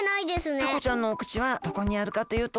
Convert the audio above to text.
タコちゃんのお口はどこにあるかというと。